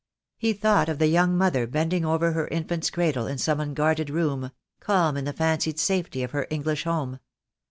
He thought of the young mother bending over her in fant's cradle in some unguarded room — calm in the fancied safety of her English home.